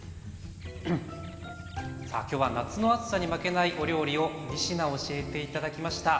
さあ今日は夏の暑さに負けないお料理を２品教えて頂きました。